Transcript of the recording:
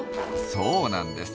そうなんです。